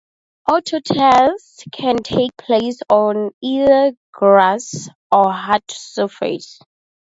Autotests can take place on either grass or hard surface.